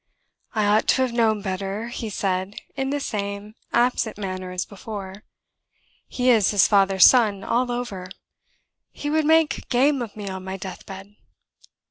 "I ought to have known better," he said, in the same absent manner as before. "He is his father's son all over he would make game of me on my death bed."